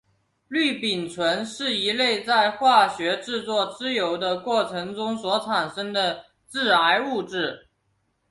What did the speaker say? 氯丙醇是一类在化学制作豉油的过程中所产生的致癌物质。